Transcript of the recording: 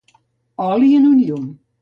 Oli en un llum.